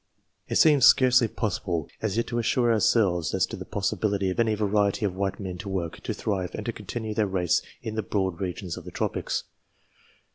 It seems scarcely possible as yet to assure ourselves as to the possibility of any variety of white men to work, to thrive, and to continue their race in the broad regions of the tropics.